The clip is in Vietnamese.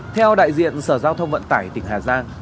theo đại diện sở giao thông vận tải tỉnh hà giang